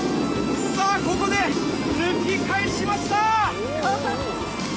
さあ、ここで抜き返しました！